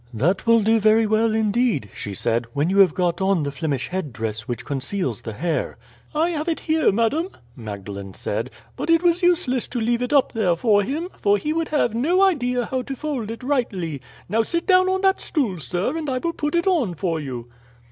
"That will do very well, indeed," she said, "when you have got on the Flemish headdress, which conceals the hair." "I have it here, madam," Magdalene said; "but it was useless to leave it up there for him, for he would have no idea how to fold it rightly. Now sit down on that stool, sir, and I will put it on for you."